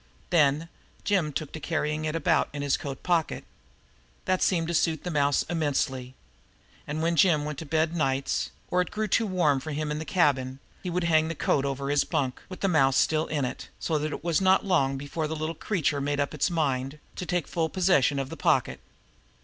Then Jim took to carrying it about with him in his coat pocket. That seemed to suit the mouse immensely, and when Jim went to bed nights, or it grew too warm for him in the cabin, he would hang the coat over his bunk, with the mouse still in it, so that it was not long before the little creature made up its mind to take full possession of the pocket.